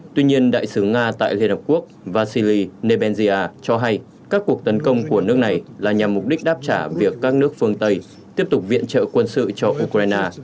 tuy nhiên đại sứ nga tại liên hợp quốc vasyly nebensia cho hay các cuộc tấn công của nước này là nhằm mục đích đáp trả việc các nước phương tây tiếp tục viện trợ quân sự cho ukraine